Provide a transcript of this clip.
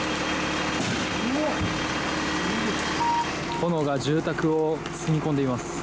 炎が住宅を包み込んでいます。